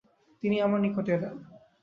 তিনি আমার নিকটে এলেন।